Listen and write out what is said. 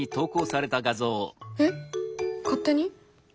えっ勝手に？